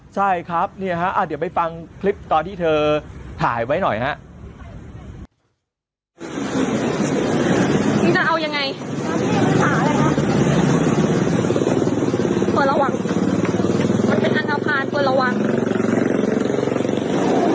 ใช่ครับเดี๋ยวไปฟังคลิปต่อที่เธอถ่ายไว้หน่อยครับ